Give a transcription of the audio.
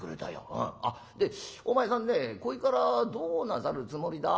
うんあっでお前さんねこれからどうなさるつもりだ？